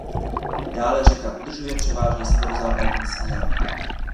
Dále řeka udržuje převážně severozápadní směr.